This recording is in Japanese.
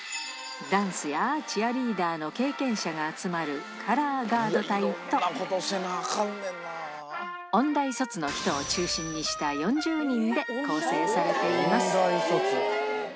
ダンスやチアリーダーの経験者が集まるカラーガード隊と、音大卒の人を中心とした４０人で構成されています。